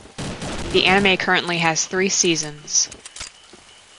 The anime currently has three seasons.